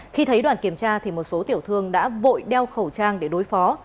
khi thấy đoàn kiểm tra thì một số tiểu thương đã vội đeo khẩu trang để đối phó